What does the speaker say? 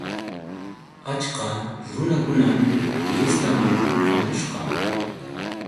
Achka runakunam fiestaman hamushqa.